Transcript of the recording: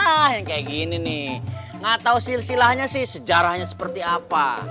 ah yang kayak gini nih nggak tahu silsilahnya sih sejarahnya seperti apa